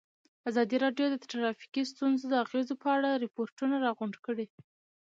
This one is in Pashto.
ازادي راډیو د ټرافیکي ستونزې د اغېزو په اړه ریپوټونه راغونډ کړي.